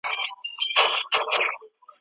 ستا سي کلی شپو خوړلی